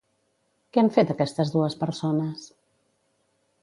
Què han fet aquestes dues persones?